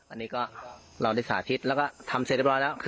อันนี้ก็เราได้สาธิตแล้วก็ทำเสร็จเรียบร้อยแล้ว